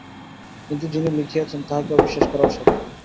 কিন্তু যিনি লিখিয়াছেন তাঁহাকে অবিশ্বাস করাও শক্ত।